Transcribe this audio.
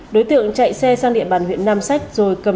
đối tượng chạy xe sang địa bàn huyện nam sách rồi cầm